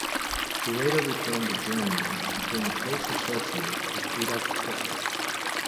He later returned to Germany and became a close associate of Adolf Hitler.